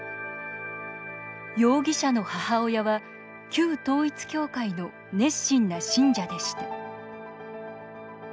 容疑者の母親は旧統一教会の熱心な信者でした。